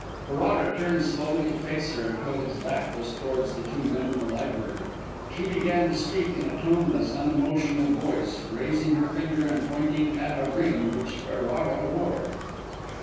Ferrara turned slowly to face her, until his back was towards the two men in the library. She began to speak, in a toneless, unemotional voice, raising her finger and pointing at a ring which Ferrara wore.